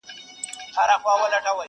حاکم وویل ته کډه سه کاشان ته٫